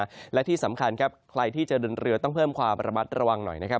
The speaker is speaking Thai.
และที่สำคัญครับใครที่จะเดินเรือต้องเพิ่มความระมัดระวังหน่อยนะครับ